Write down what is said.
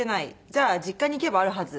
じゃあ実家に行けばあるはず。